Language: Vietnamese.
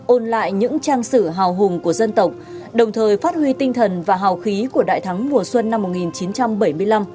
ôn lại những trang sử hào hùng của dân tộc đồng thời phát huy tinh thần và hào khí của đại thắng mùa xuân năm một nghìn chín trăm bảy mươi năm